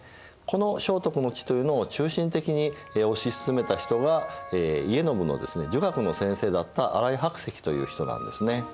この正徳の治というのを中心的に推し進めた人が家宣の儒学の先生だった新井白石という人なんですね。